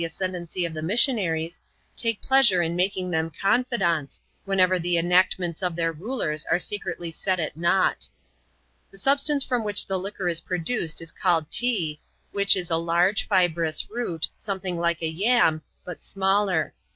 Lxm ascendencj of the missionaries, take pleasure in making them confidants, whenever the enactments of their rulers are secretly set at nought. The substance from which the liquor is produced is called *' Tee," which is a large, fibrous root, something like a jam, but smaller.